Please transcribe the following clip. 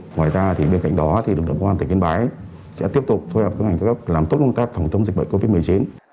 ngoài ra thì bên cạnh đó thì đảng quân tỉnh yên bái sẽ tiếp tục phối hợp với các ngành làm tốt công tác phòng chống dịch bệnh covid một mươi chín